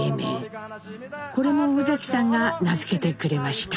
これも宇崎さんが名付けてくれました。